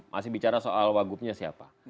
masih bicara soal wagubnya siapa